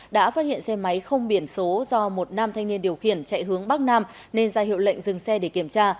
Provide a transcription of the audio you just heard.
đã phát hiện xe máy không biển số do một nam thanh niên điều khiển chạy hướng bắc nam nên ra hiệu lệnh dừng xe để kiểm tra